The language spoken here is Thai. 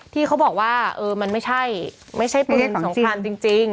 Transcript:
ที่เขาบอกว่ามันไม่ใช่ปืนสงครามจริง